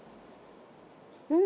うん！